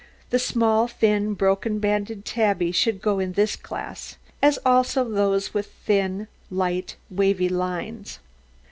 The small, thin, broken banded tabby should go in this class, as also those with thin, light, wavy lines.